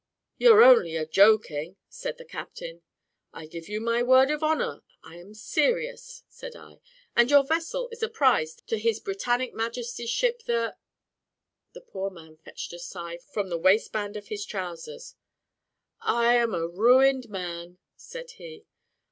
"You're only a joking?" said the captain. "I give you my word of honour I am serious," said I; "and your vessel is a prize to his Britannic majesty's ship, the ." The poor man fetched a sigh from the waistband of his trowsers. "I am a ruined man," said he.